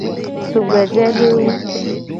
Tugbejedewo.